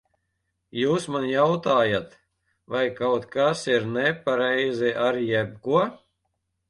Jūs man jautājat, vai kaut kas ir nepareizi ar jebko?